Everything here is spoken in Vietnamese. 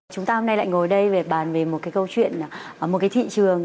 chúng ta hôm nay lại ngồi đây và bàn về một câu chuyện một thị trường